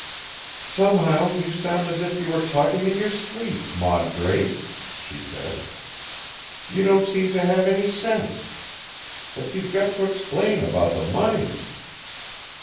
"Somehow you sound as if you were talking in your sleep, Maud Grace," she said, "you don't seem to have any sense. But you've got to explain about the money!"